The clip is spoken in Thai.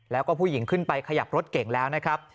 แล้วก็ผู้หญิงขึ้นไปขยับรถเก่งแล้วนะครับ